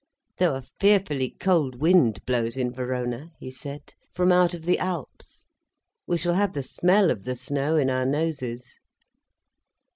"Though a fearfully cold wind blows in Verona," he said, "from out of the Alps. We shall have the smell of the snow in our noses."